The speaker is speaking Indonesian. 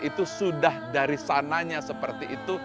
itu sudah dari sananya seperti itu